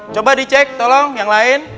coba dicek tolong yang lain